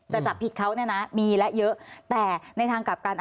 จะจับผิดเขาเนี่ยนะมีและเยอะแต่ในทางกลับกัน